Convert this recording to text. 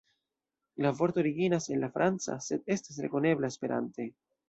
La vorto originas el la franca, sed estas rekonebla Esperante.